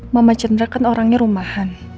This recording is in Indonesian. mama chendra kan orangnya rumahan